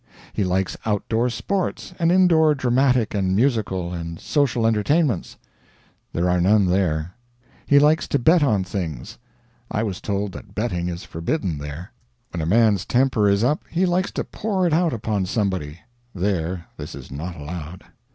He likes outdoor sports and indoor dramatic and musical and social entertainments there are none there. He likes to bet on things I was told that betting is forbidden there. When a man's temper is up he likes to pour it out upon somebody there this is not allowed.